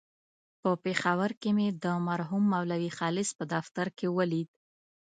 په پېښور کې مې د مرحوم مولوي خالص په دفتر کې ولید.